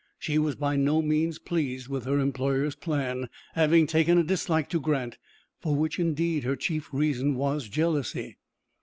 She was by no means pleased with her employer's plan, having taken a dislike to Grant, for which, indeed, her chief reason was jealousy.